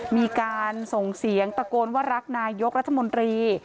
มีการส่งเสียงตะโกนว่ารักนายกรัฐมนตรี